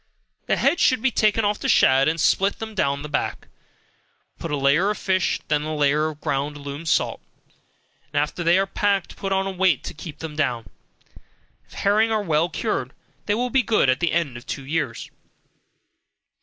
The heads should be taken off the shad, and split them down the back, put a layer of fish, then a layer of ground alum salt, and after they are packed, put on a weight to keep them down. If herring are well cured, they will be good at the end of two years.